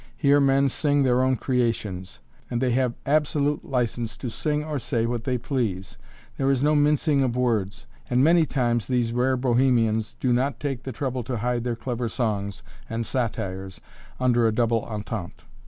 Here men sing their own creations, and they have absolute license to sing or say what they please; there is no mincing of words, and many times these rare bohemians do not take the trouble to hide their clever songs and satires under a double entente.